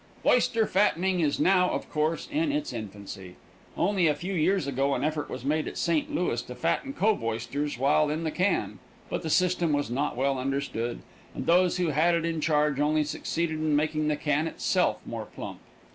Oyster fattening is now, of course, in its infancy. Only a few years ago an effort was made at St. Louis to fatten cove oysters while in the can, but the system was not well understood, and those who had it in charge only succeeded in making the can itself more plump.